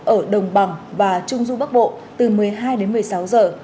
ở đồng bằng và trung du bắc bộ từ một mươi hai đến một mươi sáu giờ